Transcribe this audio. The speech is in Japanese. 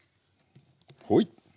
ほい。